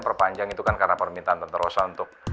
perpanjang itu kan karena permintaan penerosa untuk